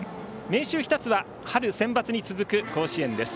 明秀日立は春センバツに続く甲子園です。